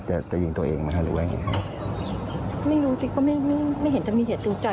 แล้วก็จะเดินทางไปสู่อะไรที่มันดีภบภูมิที่ดี